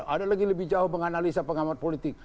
ada lagi lebih jauh menganalisa pengamat politik